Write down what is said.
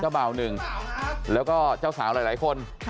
เจ้าเบ่า๑แล้วก็เจ้าสาวหลายคน